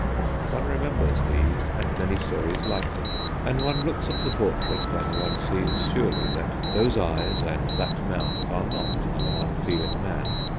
One remembers these and many stories like them, and one looks at the portrait and one sees surely that those eyes and that mouth are not of an unfeeling man.